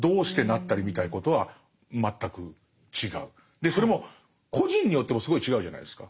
でそれも個人によってもすごい違うじゃないですか。